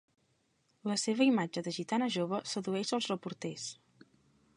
La seva imatge de gitana jove sedueix els reporters.